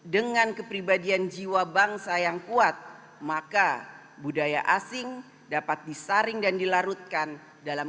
dengan kepribadian jiwa bangsa yang kuat maka budaya asing dapat disaring dan dilarutkan dalam